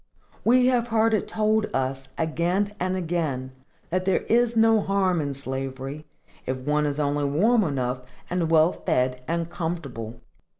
We have heard it told us, again and again, that there is no harm in slavery, if one is only warm enough, and full fed, and comfortable.